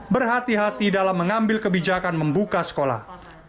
berhati hati dalam mengambil kebijakan membuka sekolah